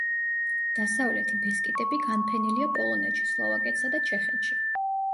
დასავლეთი ბესკიდები განფენილია პოლონეთში, სლოვაკეთსა და ჩეხეთში.